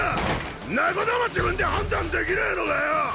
んなことも自分で判断できねぇのかよ！